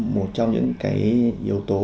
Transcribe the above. một trong những yếu tố